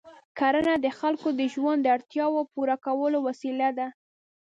کرنه د خلکو د ژوند د اړتیاوو پوره کولو وسیله ده.